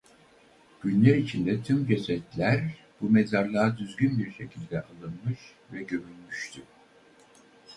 Günler içinde tüm cesetler bu mezarlığa düzgün bir şekilde alınmış ve gömülmüştü.